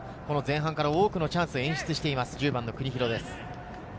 前半から多くのチャンスを演出しています、１０番の国広です。